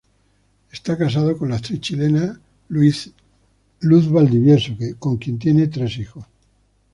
Es casado con la actriz chilena Luz Valdivieso, con quien tiene tres hijos.